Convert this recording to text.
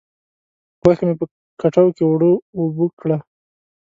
غوښه مې په کټو کې اوړه و اوبه کړه.